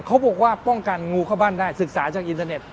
เขาบอกว่าป้องกันงูเข้าบ้านได้ศึกษาจากอินเทอร์เน็ต